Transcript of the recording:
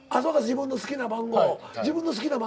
自分の好きな番号だった？